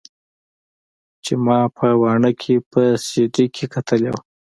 چې ما په واڼه کښې په سي ډي کښې کتلې وه.